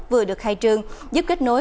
vừa được khai trương giúp kết nối